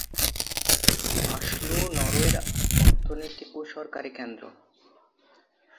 Oslo নরওয়ের অর্থনৈতিক ও সরকারি কেন্দ্র।